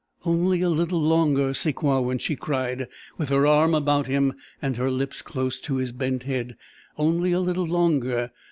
"Only a little longer, Sakewawin," she cried, with her arm about him and her lips close to his bent head. "Only a little longer!